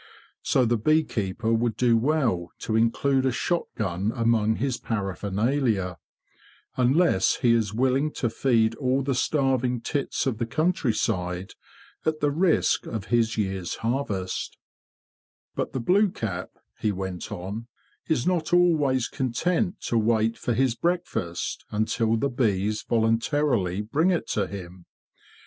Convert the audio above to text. So the bee keeper would do well to include a shot gun among his paraphernalia, unless he is willing to feed all the starving tits of the countryside at the risk of his year's harvest," THE BEE MASTER OF WARRILOW 19 t " But the blue cap,'' he went on, " is not always content to wait for his breakfast until the bees voluntarily bring it to him.